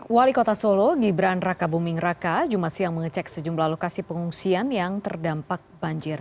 wali kota solo gibran raka buming raka jumat siang mengecek sejumlah lokasi pengungsian yang terdampak banjir